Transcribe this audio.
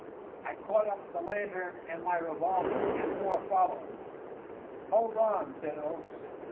I caught up the lantern and my revolver, and Moore followed. "Hold on!" said Oakes.